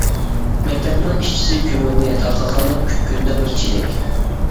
مەكتەپنىڭ ئىشچىسى كۆمۈرنى، تارقاتقاندا ئۈچ كۈندە بىر چېلەك.